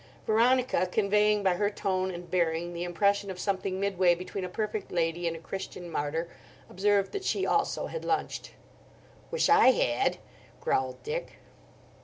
Veronica, conveying by her tone and bearing the impression of something midway between a perfect lady and a Christian martyr, observed that she also had lunched. "Wish I had," growled Dick.